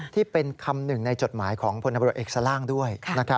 ที่เป็นคำหนึ่งในจดหมายของพลตำรวจเอกสล่างด้วย